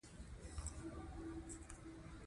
نه د پېغور د درد چیغه زما حنجرې ته پرېږدي.